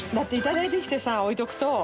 頂いてきてさ置いておくと笋辰